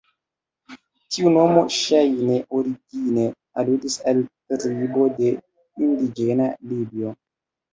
Tiu nomo ŝajne origine aludis al tribo de indiĝena Libio.